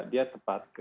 dia tepat gitu